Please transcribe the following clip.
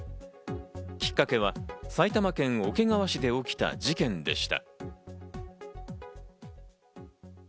きっかけは埼玉県桶川市で起きた事件でした。